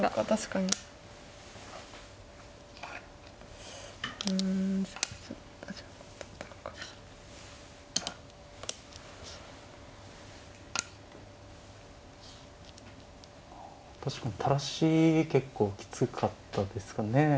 確かに垂らし結構きつかったですかね。